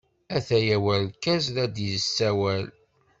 Ataya urgaz la d-yessawal.